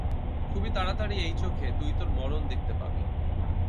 খুব তাড়াতাড়ি এই চোখে, তুই তোর মরণ দেখতে পাবি।